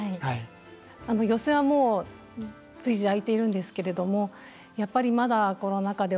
寄席は、もう随時開いているんですけれどもやっぱりまだコロナ禍で